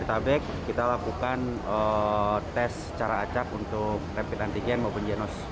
kita balik kita lakukan tes cara acak untuk rapid antigen maupun jenus